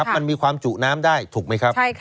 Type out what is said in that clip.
มันมีความจุน้ำได้ถูกไหมครับ